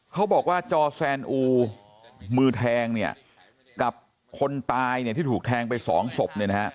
เขาบอกว่าจอแซนอูมือแทงกับคนตายที่ถูกแทงไป๒ศพ